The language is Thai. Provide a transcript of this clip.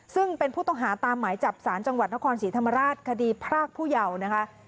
ซึ่งเป็นผู้ต้องหาตามหมายจับสารจังหวัดนครศรีธรรมราชคดีพรากผู้เยาว์นะคะ